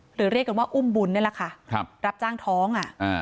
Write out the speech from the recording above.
เรียกกันว่าอุ้มบุญนี่แหละค่ะครับรับจ้างท้อง